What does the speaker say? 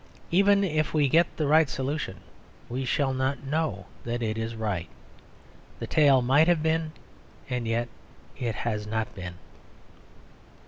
Even if we get the right solution we shall not know that it is right. The tale might have been, and yet it has not been.